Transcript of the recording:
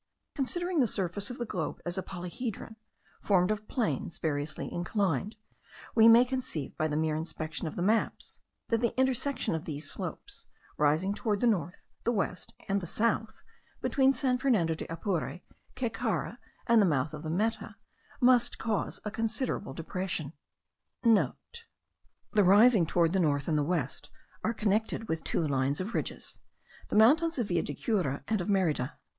Considering the surface of the globe as a polyhedron, formed of planes variously inclined, we may conceive by the mere inspection of the maps, that the intersection of these slopes, rising towards the north, the west, and south,* between San Fernando de Apure, Caycara, and the mouth of the Meta, must cause a considerable depression. (* The risings towards the north and west are connected with two lines of ridges, the mountains of Villa de Cura and of Merida.